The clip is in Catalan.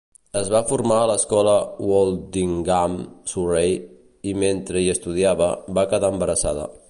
Es va formar a l'Escola Woldingham, Surrey, i mentre hi estudiava, va quedar embarassada.